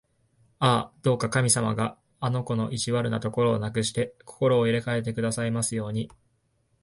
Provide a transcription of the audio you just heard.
ああ、どうか神様があの子の意地悪なところをなくして、心を入れかえてくださいますように！